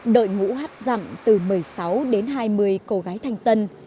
đội ngũ hát dặm từ một mươi sáu đến hai mươi cô gái thanh tân